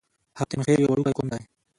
حاتم خيل يو وړوکی قوم دی.